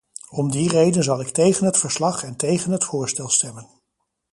Om die reden zal ik tegen het verslag en tegen het voorstel stemmen.